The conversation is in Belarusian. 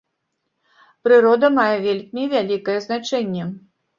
Прырода мае вельмі вялікае значэнне.